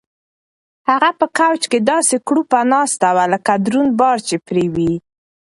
هغه په کوچ کې داسې کړوپه ناسته وه لکه دروند بار چې پرې وي.